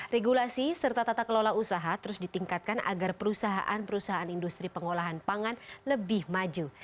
regulasi serta tata kelola usaha terus ditingkatkan agar perusahaan perusahaan industri pengolahan pangan lebih maju